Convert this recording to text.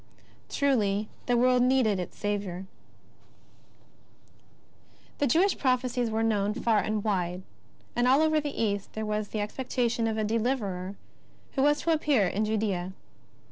Truly the world needed its Saviour ! The Jewish prophecies were known far and wide, and all over the East there was the expectation of a Deliverer who was to appear in Judea.